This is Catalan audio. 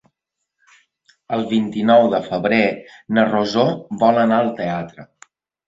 El vint-i-nou de febrer na Rosó vol anar al teatre.